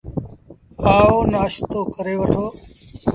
آئو، نآشتو ڪري وٺو۔